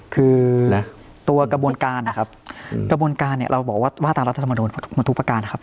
คือตัวกระบวนการนะครับกระบวนการเนี่ยเราบอกว่าว่าตามรัฐธรรมนูลมาทุกประการนะครับ